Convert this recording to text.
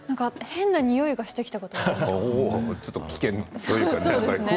変なにおいがしてきたことはあります。